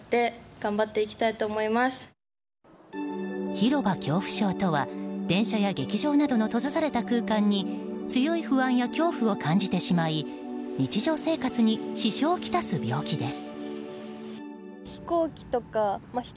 広場恐怖症とは電車や劇場などの閉ざされた空間に強い不安や恐怖を感じてしまい日常生活に支障を来す病気です。